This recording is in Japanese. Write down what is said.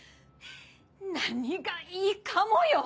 何が「いいカモ」よ。